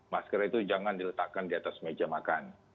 masker itu jangan diletakkan di atas meja makan